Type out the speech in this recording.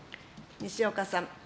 西岡さん。